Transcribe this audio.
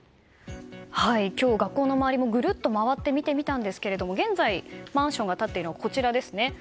今日、学校の周りをぐるっと回ってみたんですが現在、マンションが立っているのがこちら。